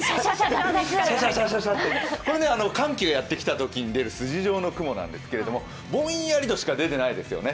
これ、寒気がやってきたときに出る筋状の雲なんですがぼんやりとしか出ていないですよね。